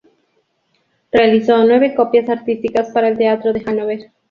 Realizó nueve copias artísticas para el teatro de Hannover.